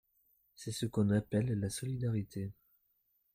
C’est ce qu’on appelle la solidarité.